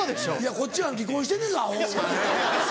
・こっちは離婚してんねんぞアホお前！